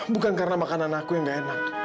bukan karena makanan aku yang gak enak